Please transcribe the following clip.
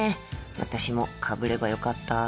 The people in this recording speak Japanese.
私もかぶればよかった。